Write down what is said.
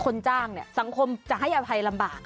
คนจ้างเนี่ยสังคมจะให้อภัยลำบาก